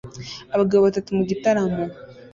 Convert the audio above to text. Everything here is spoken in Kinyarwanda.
Abagabo batatu mu gitaramo